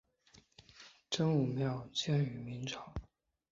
真武庙始建于明朝。